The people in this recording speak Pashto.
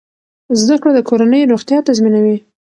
زده کړه د کورنۍ روغتیا تضمینوي۔